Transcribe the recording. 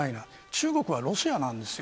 中国はロシアなんです。